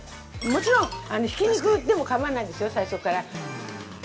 もちろん、ひき肉でも構わないんですよ、最初から。